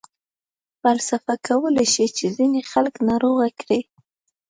فلسفه کولای شي چې ځینې خلک ناروغه کړي.